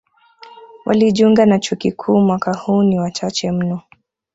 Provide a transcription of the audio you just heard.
Walijunga na chuo kikuu mwaka huu ni wachache mno.